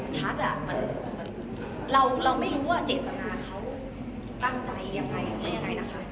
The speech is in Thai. เราไม่รู้ว่าเจตนาเขาตั้งใจยังไงหรือไม่ยังไงนะคะ